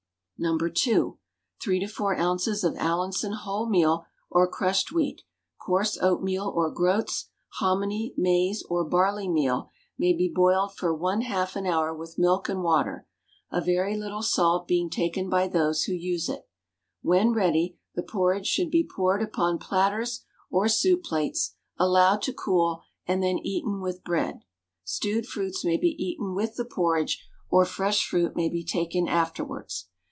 No. II. 3 to 4 oz. of Allinson wholemeal or crushed wheat, coarse oatmeal or groats, hominy, maize or barley meal may be boiled for 1/2 an hour with milk and water, a very little salt being taken by those who use it. When ready, the porridge should be poured upon platters or soup plates, allowed to cool, and then eaten with bread. Stewed fruits may be eaten with the porridge, or fresh fruit may be taken afterwards.